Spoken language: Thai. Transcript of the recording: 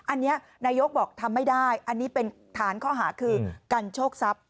อันนี้นายกบอกทำไม่ได้อันนี้เป็นฐานข้อหาคือกันโชคทรัพย